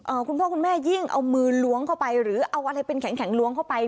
คุณพ่อคุณแม่ยิ่งเอามือล้วงเข้าไปหรือเอาอะไรเป็นแข็งแข็งล้วงเข้าไป